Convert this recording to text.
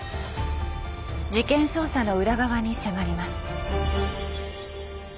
事件捜査の裏側に迫ります。